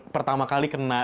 pertama kali kena